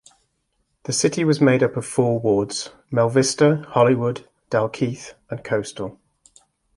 The City was made up of four wards - Melvista, Hollywood, Dalkeith and Coastal.